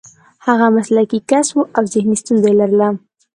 هغه مسلکي کس و او ذهني ستونزه یې لرله